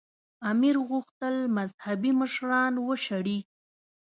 امیر غوښتل مذهبي مشران وشړي.